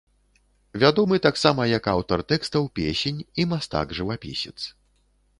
Вядомы таксама як аўтар тэкстаў песень і мастак-жывапісец.